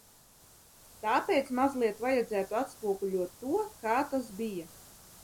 Tāpēc mazliet vajadzētu atspoguļot to, kā tas bija.